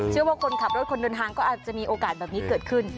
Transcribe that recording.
เชื่อว่ากลขับรถคนโดนทางก็อาจจะมีโอกาสเกิดขึ้น